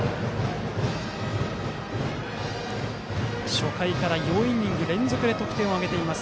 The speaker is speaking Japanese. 初回から４イニング連続で得点を挙げています